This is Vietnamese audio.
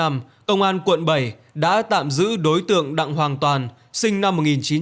ngày hai mươi năm tháng năm công an quận bảy đã tạm giữ đối tượng đặng hoàn toàn sinh năm một nghìn chín trăm tám mươi tám